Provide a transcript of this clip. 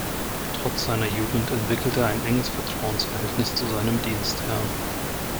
Trotz seiner Jugend entwickelte er ein enges Vertrauensverhältnis zu seinem Dienstherrn.